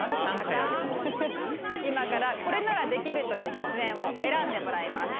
今から「これならできる」という実演を選んでもらいます。